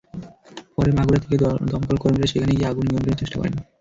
পরে মাগুরা থেকে দমকল কর্মীরা সেখানে গিয়ে আগুন নিয়ন্ত্রণের চেষ্টা করেন।